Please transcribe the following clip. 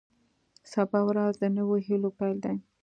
سبا ورځ د نویو هیلو پیل دی.